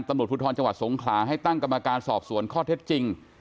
ตำรวจภูทรจังหวัดสงขลาให้ตั้งกรรมการสอบสวนข้อเท็จจริง